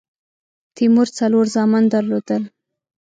تیمور څلور زامن درلودل.